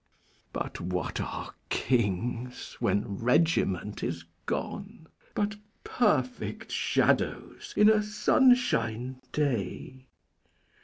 But what are kings, when regiment is gone, But perfect shadows in a sunshine day?